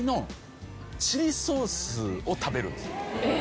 え！